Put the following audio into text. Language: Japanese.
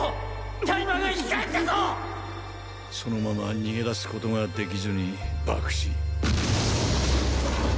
タイマーが生きかえっそのまま逃げ出す事が出来ずに爆死。